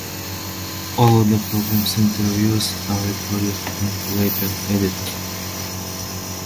All of the program's interviews are recorded and later edited.